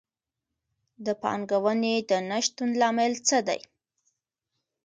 د پانګونې د نه شتون لامل څه دی؟